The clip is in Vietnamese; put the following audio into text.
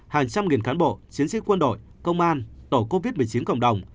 hàng trăm nghìn cán bộ chiến sĩ quân đội công an tổ covid một mươi chín cộng đồng